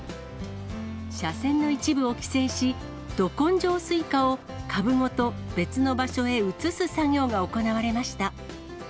車線の一部を規制し、ど根性スイカを株ごと別の場所へ移す作業が行われました。